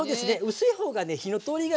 薄い方がね火の通りがいいんで。